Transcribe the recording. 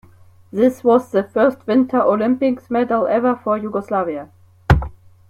This was the first Winter Olympics medal ever for Yugoslavia.